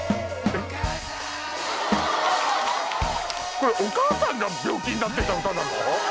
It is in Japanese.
これお母さんが病気になってた歌なの？